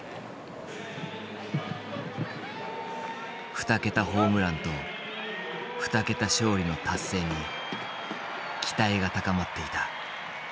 ２桁ホームランと２桁勝利の達成に期待が高まっていたこの試合。